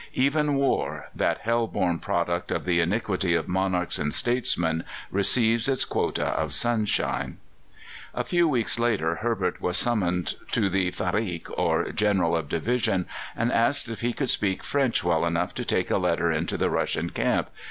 Even war, that hell born product of the iniquity of monarchs and statesmen, receives its quota of sunshine." A few weeks later Herbert was summoned to the Ferik, or General of Division, and asked if he could speak French well enough to take a letter into the Russian camp.